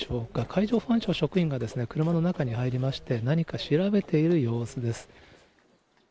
海上保安庁職員が車の中に入りまして、何か調べている様子です。